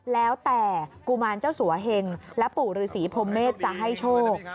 แล้วแต่กุมารเจ้าสัวเหงและปู่ฤษีพรมเมษจะให้โชค